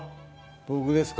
僕ですか？